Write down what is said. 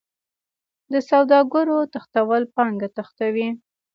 د سوداګرو تښتول پانګه تښتوي.